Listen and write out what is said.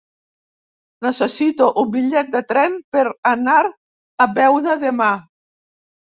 Necessito un bitllet de tren per anar a Beuda demà.